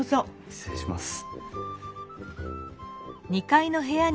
失礼します。